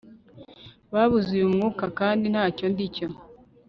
Babuze uyu mwuka kandi ntacyo ndi cyo